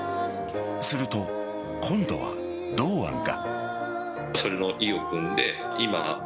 すると、今度は堂安が。